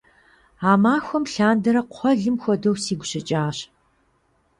А махуэм лъандэрэ кхъуэлым хуэдэу сигу щыкӏащ.